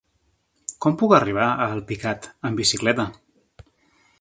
Com puc arribar a Alpicat amb bicicleta?